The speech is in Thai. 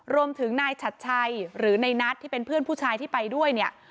รวมถึงนายชัดชัยหรือในนัทที่เป็นเพื่อนผู้ชายที่ไปด้วยเนี่ย